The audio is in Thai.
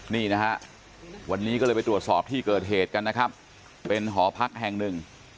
นี่นะฮะวันนี้ก็เลยไปตรวจสอบที่เกิดเหตุกันนะครับเป็นหอพักแห่งหนึ่ง